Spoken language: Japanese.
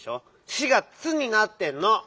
「シ」が「ツ」になってんの！